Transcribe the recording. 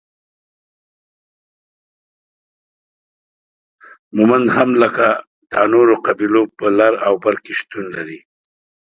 مومند هم لکه دا نورو قبيلو په لر او بر سیمو کې شتون لري